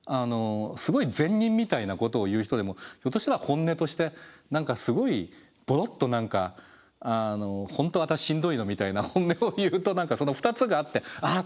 すごい善人みたいなことを言う人でもひょっとしたら本音として何かすごいボロッと何か「本当私しんどいの」みたいな本音を言うとその２つがあってあっ